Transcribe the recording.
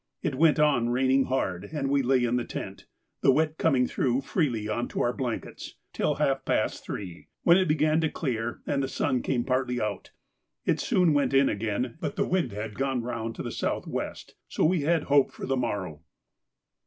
It went on raining hard, and we lay in the tent, the wet coming through freely on to our blankets, till half past three, when it began to clear and the sun came partly out. It soon went in again, but the wind had gone round to the south west, so we had hope for the morrow.